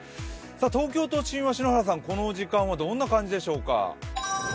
東京都心は篠原さん、この時間はどんな感じでしょうか。